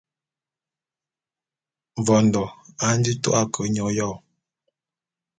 Mvondô a nji tu’a ke nya oyô.